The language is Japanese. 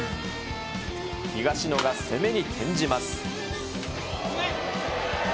東野が攻めに転じます。